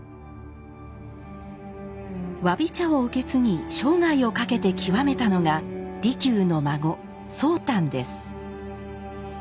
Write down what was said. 侘び茶を受け継ぎ生涯をかけて究めたのが利休の孫宗旦です。